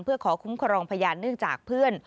เพื่อขอคุ้มครองพยานเนื่องจากเพื่อน